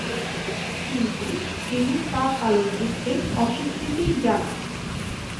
কিন্তু তিনি তা পালন করতে অস্বীকৃতি জানান।